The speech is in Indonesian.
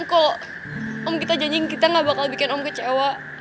kalau om kita janjiin kita gak bakal bikin om kecewa